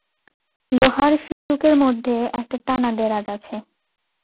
লোহার সিন্দুকের মধ্যে একটা টানা দেরাজ আছে।